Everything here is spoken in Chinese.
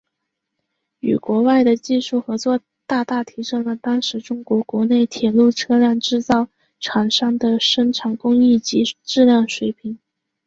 与国外的技术合作大大提升了当时中国国内铁路车辆制造厂商的生产工艺及质量水平。